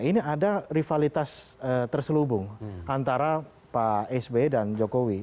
ini ada rivalitas terselubung antara pak sb dan jokowi